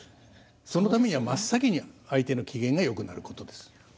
そのためには真っ先に、相手の機嫌がよくなることです。